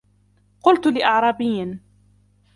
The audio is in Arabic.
قُلْتُ لِأَعْرَابِيٍّ